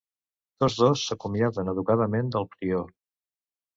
Tots dos s'acomiaden educadament del prior.